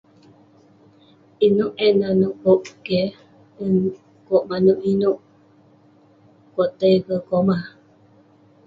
Inouk eh manouk kok keh, kok manouk inouk..kok tai ke komah..